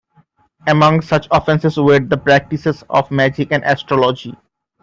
Among such offenses were the practices of magic and astrology.